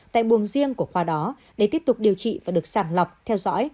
tại buồng riêng của khoa đó để tiếp tục điều trị và được sàng lọc theo dõi